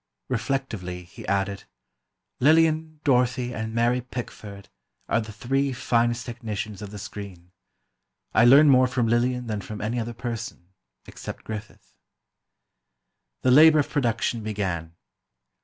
Reflectively, he added: "Lillian, Dorothy, and Mary Pickford are the three finest technicians of the screen. I learned more from Lillian than from any other person, except Griffith." The labor of production began.